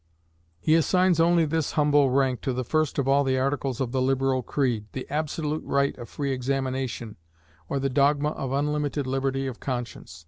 He assigns only this humble rank to the first of all the articles of the liberal creed, "the absolute right of free examination, or the dogma of unlimited liberty of conscience."